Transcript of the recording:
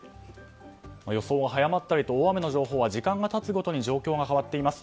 予想は早まったりと大雨の情報は時間が経つごとに状況が変わっています。